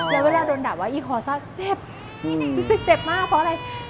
แล้วเวลาโดนด่าว่าไอ้คอสั้นเจ็บเจ็บมากเพราะอะไร